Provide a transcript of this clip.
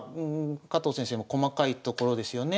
加藤先生も細かいところですよね。